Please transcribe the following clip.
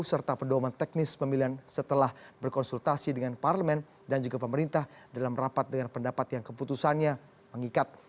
serta pedoman teknis pemilihan setelah berkonsultasi dengan parlemen dan juga pemerintah dalam rapat dengan pendapat yang keputusannya mengikat